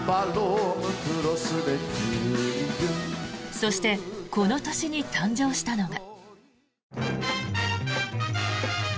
そしてこの年に誕生したのが。